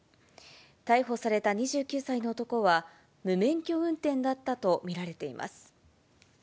逮捕された２９歳の男は、無免許運転だったと見られています。